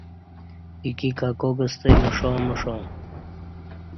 ایکی ککاک ستہ ایݜاں مݜاں